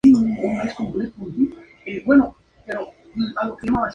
Por el norte, limita con los cantones de Naranjo, Palmares, Grecia y San Ramón.